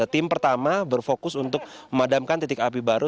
tim pertama berfokus untuk memadamkan titik api baru